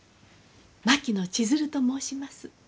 槙野千鶴と申します。